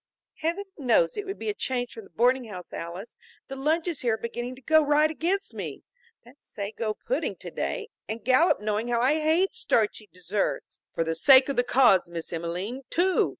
"Heaven knows it would be a change from the boarding house, Alys. The lunches here are beginning to go right against me! That sago pudding today and Gallup knowing how I hate starchy desserts!" "For the sake of the cause, Miss Emelene, too!"